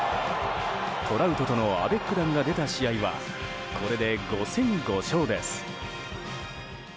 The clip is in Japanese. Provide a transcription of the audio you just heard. トラウトとのアベック弾が出た試合はこれで５戦５勝です。